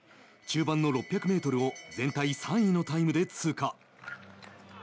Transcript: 中盤の６００ｍを全体３位のタイムで通過。